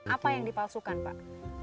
apa yang dipalsukan pak